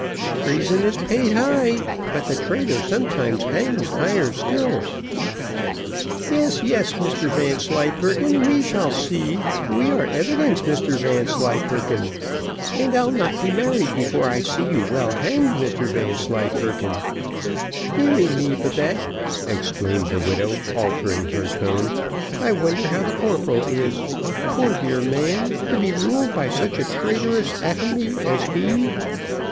Treason is paid high, but the traitor sometimes hangs higher still. Yes, yes, Mr Vanslyperken, we shall see we are evidence, Mr Vanslyperken and I'll not be married before I see you well hanged, Mr Vanslyperken. Deary me, Babette," exclaimed the widow, altering her tone, "I wonder how the corporal is: poor dear man, to be ruled by such a traitorous atomy as he."